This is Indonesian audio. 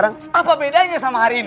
apa bedanya sama hari ini